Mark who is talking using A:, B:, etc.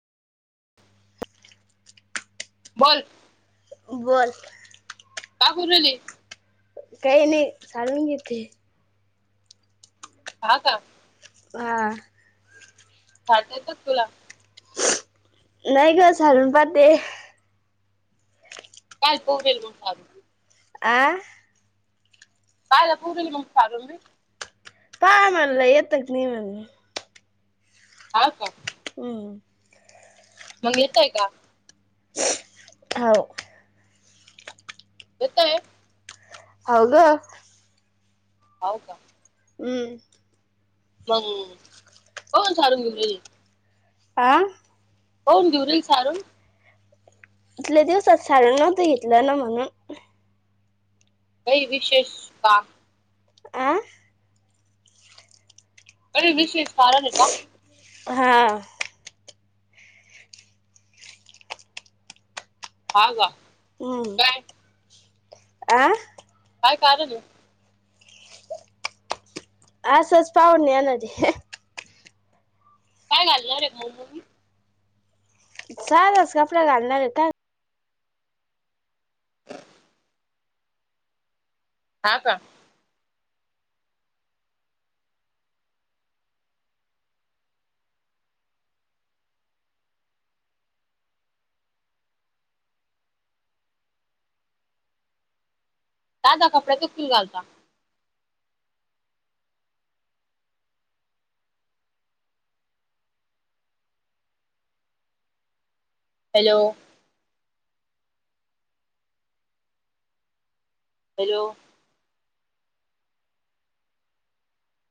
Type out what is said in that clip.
A: बोल
B: बोल
A: का करूले
B: काही नाही झाडून घेते
A: हा का
B: हा
A: ठ येतात तुला
B: नाहीयका झाडून पाात
A: कालपूरेल म्हण स
B: आं
A: कायला पूर् नमस्कारुम्ही
B: पाय मला येतात नि मल
A: हा का
B: हम
A: मग येतय का
B: हव
A: होताय
B: हो का
A: हो का
B: हम्म
A: मम् कोण सारून घ
B: आं
A: होन घऊरल सारूून
B: इथल्या दिवसात साार नव्ह घेतलं ना म्हणून
A: काही विशेष का
B: आं
A: अरे विशेष कारण आहे का
B: हां
A: हा का काय
B: आं
A: काय कारल
B: आसच पाहुणे येणार
A: काय घालणार रे भाऊ म
B: चचास कपडा गाणार रेता
A: हा का दादा कपड्या चो कल घालता हॅलो व